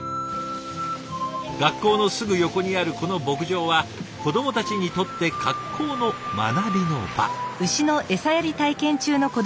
学校のすぐ横にあるこの牧場は子どもたちにとって格好の学びの場。